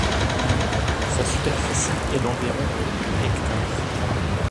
Sa superficie est d'environ hectares.